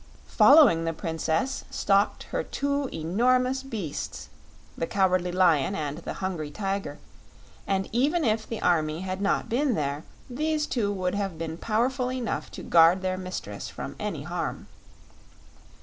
Following the Princess stalked her two enormous beasts, the Cowardly Lion and the Hungry Tiger, and even if the Army had not been there these two would have been powerful enough to guard their mistress from any harm.